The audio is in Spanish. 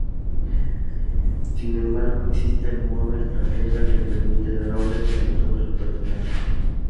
Sin embargo, existe el modo estratega que permite dar órdenes a los otros personajes.